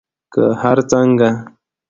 که هر څنګه